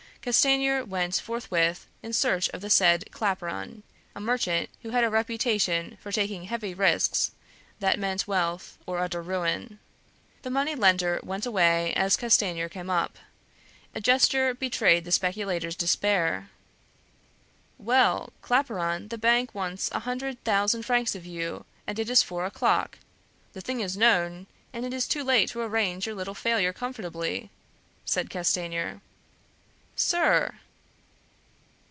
Castanier went forthwith in search of the said Claparon, a merchant who had a reputation for taking heavy risks that meant wealth or utter ruin. The money lender walked away as Castanier came up. A gesture betrayed the speculator's despair. "Well, Claparon, the bank wants a hundred thousand francs of you, and it is four o'clock; the thing is known, and it is too late to arrange your little failure comfortably," said Castanier. "Sir!"